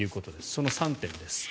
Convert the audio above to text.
その３点です。